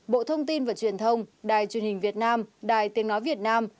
bộ thông tin và truyền thông đài truyền hình việt nam đài tiếng nói việt nam